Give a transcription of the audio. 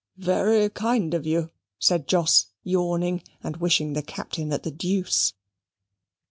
"Very kind of you," said Jos, yawning, and wishing the Captain at the deuce.